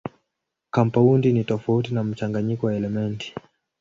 Kampaundi ni tofauti na mchanganyiko wa elementi.